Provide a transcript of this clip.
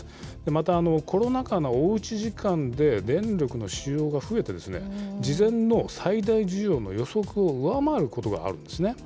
また、コロナ禍のおうち時間で、電力の使用が増えて、事前の最大需要の予測を上回ることがあるんですね。